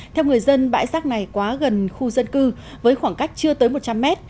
theo người dân bãi rác này quá gần khu dân cư với khoảng cách chưa tới một trăm linh mét